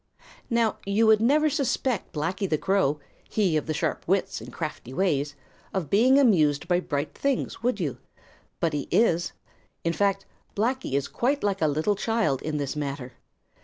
Now you would never suspect Blacky the Crow, he of the sharp wits and crafty ways, of being amused by bright things, would you? But he is. In fact, Blacky is quite like a little child in this matter.